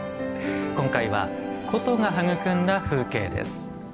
今回は「古都が育んだ風景」です。